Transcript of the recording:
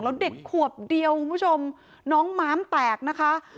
แล้วเด็กขวบเดียวคุณผู้ชมน้องม้ามแตกนะคะ